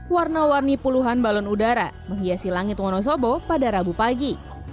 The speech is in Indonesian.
warna warni puluhan balon udara menghiasi langit wonosobo pada rabu pagi